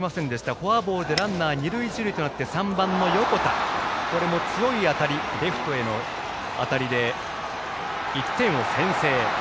フォアボールでランナー、二塁一塁となって３番の横田、これも強い当たりレフトへの当たりで１点を先制。